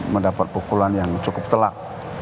mendapat pukulan yang cukup telak